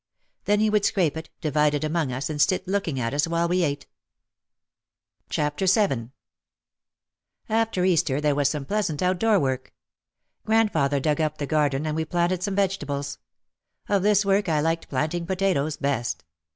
Then he would scrape it, divide it among us and sit looking at us while we ate. OUT OF THE SHADOW 25 VII After Easter there was some pleasant outdoor work. Grandfather dug up the garden and we planted some vegetables. Of this work I liked planting potatoes best.